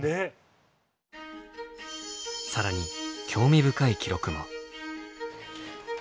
更に興味深い記録も。